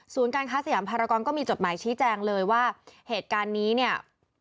การค้าสยามภารกรก็มีจดหมายชี้แจงเลยว่าเหตุการณ์นี้เนี่ย